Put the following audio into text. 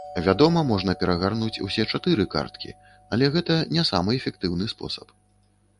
Вядома, можна перагарнуць усе чатыры карткі, але гэта не самы эфектыўны спосаб.